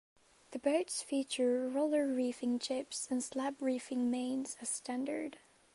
The boats feature roller reefing jibs and slab reefing mains as standard.